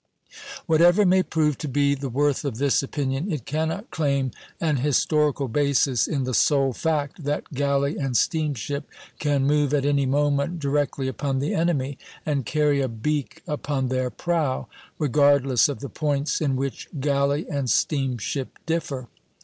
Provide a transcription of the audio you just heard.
Whatever may prove to be the worth of this opinion, it cannot claim an historical basis in the sole fact that galley and steamship can move at any moment directly upon the enemy, and carry a beak upon their prow, regardless of the points in which galley and steamship differ.